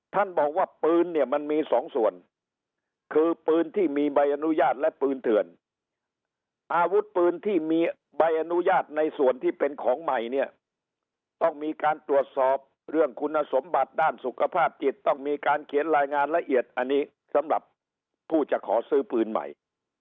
ท่านบอกว่าปืนเนี่ยมันมีสองส่วนคือปืนที่มีใบอนุญาตและปืนเถื่อนอาวุธปืนที่มีใบอนุญาตในส่วนที่เป็นของใหม่เนี่ยต้องมีการตรวจสอบเรื่องคุณสมบัติด้านสุขภาพจิตต้องมีการเขียนรายงานละเอียดอันนี้สำหรับผู้จะขอซื้อปืนใหม่